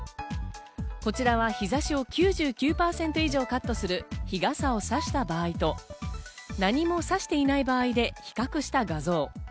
こちらは日差しを９９％以上カットする日傘をさした場合と、何もさしていない場合で比較した画像。